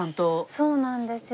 そうなんですよ。